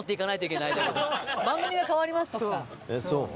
番組が変わります徳さん。